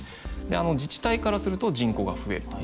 自治体からすると人口が増えると。